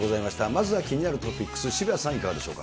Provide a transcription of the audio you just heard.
まずは気になるトピックス、渋谷さん、いかがでしょうか。